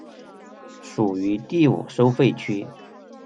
属于第五收费区。